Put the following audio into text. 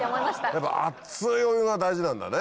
やっぱ熱いお湯が大事なんだね。